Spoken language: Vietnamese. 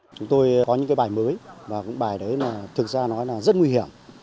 chúng tôi có những bài mới và bài đấy thực ra nói là rất nguy hiểm